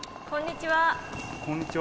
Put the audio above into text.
こんにちは。